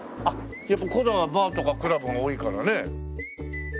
コザはバーとかクラブが多いからね。